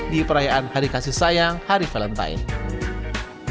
di perayaan hari kasih sayang hari valentine